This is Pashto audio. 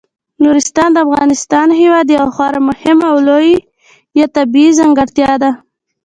نورستان د افغانستان هیواد یوه خورا مهمه او لویه طبیعي ځانګړتیا ده.